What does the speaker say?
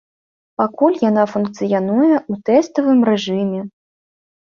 Пакуль яна функцыянуе ў тэставым рэжыме.